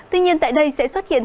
tuy nhiên tại đây sẽ xuất hiện